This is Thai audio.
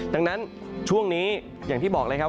ดังนั้นช่วงนี้อย่างที่บอกเลยครับ